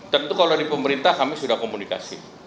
tentu kalau dari pemerintah kami sudah komunikasi